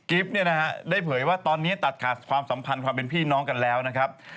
กิฟต์เนี่ยนะครับได้เผยว่าตอนนี้ตัดขาดความสัมพันธ์ความเป็นพี่น้องกันแล้วนะครับ